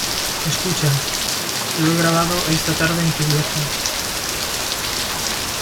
escucha, lo he grabado esta tarde en cubierta.